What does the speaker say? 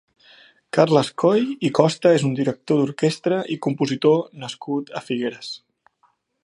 Carles Coll i Costa és un director d'orquestra i compositor nascut a Figueres.